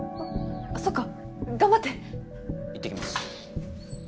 そっか頑張って行ってきます